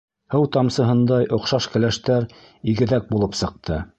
Һыу тамсыһындай оҡшаш кәләштәр игеҙәк булып сыҡты.